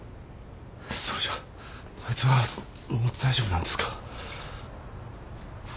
それじゃあいつはもう大丈夫なんですか？